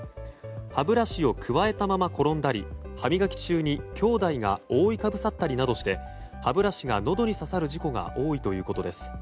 歯ブラシを加えたまま転んだり歯磨き中に、きょうだいが覆いかぶさったりなどして歯ブラシがのどに刺さる事故が多いということです。